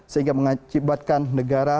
sehingga menyebabkan negara